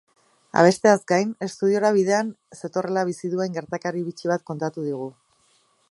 Abesteaz gain, estudiora bidean zetorrela bizi duen gertakari bitxi bat kontatu digu.